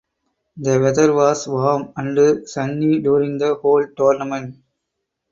The whether was warm and sunny during the whole tournament.